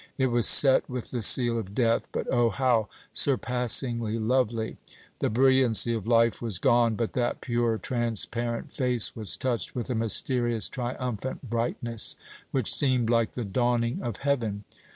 It was set with the seal of death; but O, how surpassingly lovely! The brilliancy of life was gone, but that pure, transparent face was touched with a mysterious, triumphant brightness, which seemed like the dawning of heaven.